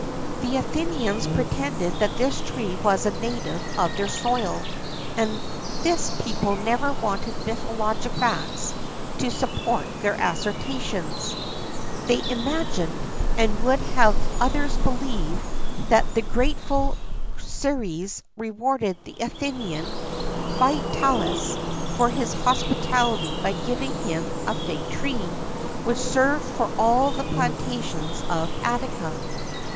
The Athenians pretended that this tree was a native of their soil, and this people never wanted mythologic facts to support their assertions; they imagined, and would have others believe, that the grateful Ceres rewarded the Athenian, Phytalus, for his hospitality by giving him a fig tree, which served for all the plantations of Attica.